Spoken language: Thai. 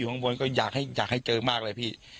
ข้างบนก็อยากให้เจอมากเลยพี่